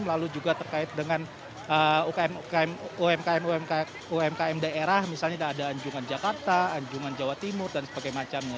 lalu juga terkait dengan umkm umkm daerah misalnya ada anjungan jakarta anjungan jawa timur dan sebagainya